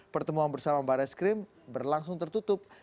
pertemuan bersama barai skrim berlangsung tertutup